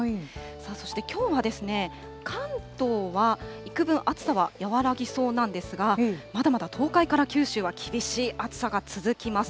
そしてきょうは関東はいくぶん暑さは和らぎそうなんですが、まだまだ東海から九州は厳しい暑さが続きます。